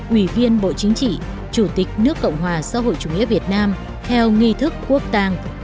ủy viên bộ chính trị chủ tịch nước cộng hòa xã hội chủ nghĩa việt nam theo nghi thức quốc tàng